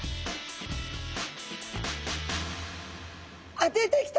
あっ出てきた！